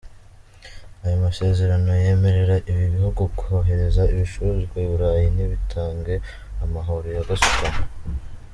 Ayo masezerano yemerera ibi bihugu kohereza ibicuruzwa i Burayi ntibitange amahoro ya gasutamo.